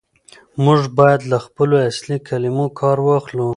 موږ بايد له خپلو اصلي کلمو کار واخلو.